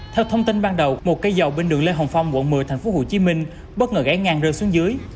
theo thông tin ban đầu một cây dầu bên đường lê hồng phong quận một mươi thành phố hồ chí minh bất ngờ gãy ngang rơi xuống dưới